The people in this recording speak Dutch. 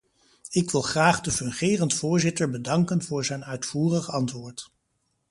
Ik wil graag de fungerend voorzitter bedanken voor zijn uitvoerig antwoord.